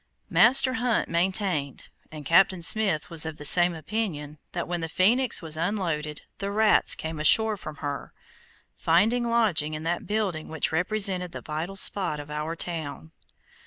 Master Hunt maintained, and Captain Smith was of the same opinion, that when the Phoenix was unloaded, the rats came ashore from her, finding lodging in that building which represented the vital spot of our town.